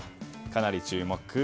かなり注目、「カ」